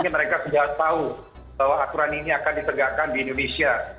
mereka sudah tahu bahwa aturan ini akan ditegakkan di indonesia